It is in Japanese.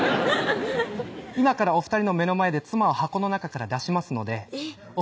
今からお２人の目の前で妻を箱の中から出しますのでお２人よろしければ